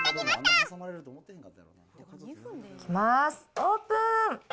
オープン。